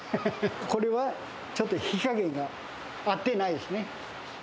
これはちょっと火加減が合ってないですね。